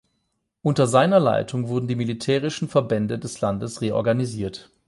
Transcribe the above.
Unter seiner Leitung wurden die militärischen Verbände des Landes reorganisiert.